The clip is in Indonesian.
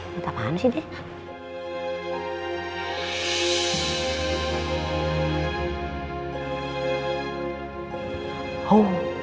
ngertapaan sih dia